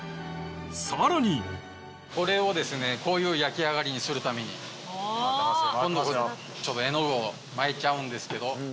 さらにこれをこういう焼き上がりにするために今度絵の具をまいちゃうんですけど。